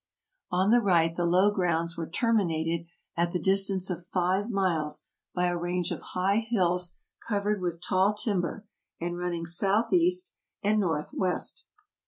On the right the low grounds were ter minated at the distance of five miles by a range of high hills covered with tall timber, and running south east and north west.